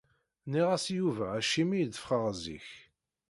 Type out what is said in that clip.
Nniɣ-as i Yuba acimi i d-ffɣeɣ zik.